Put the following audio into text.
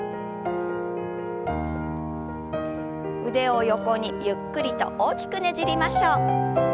腕を横にゆっくりと大きくねじりましょう。